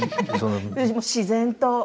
自然と。